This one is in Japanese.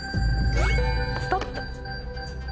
ストップ。